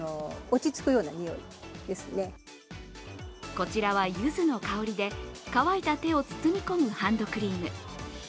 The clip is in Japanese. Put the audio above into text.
こちらは、ゆずの香りで乾いた手を包み込むハンドクリーム。